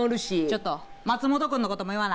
ちょっと松本君のことも言わな。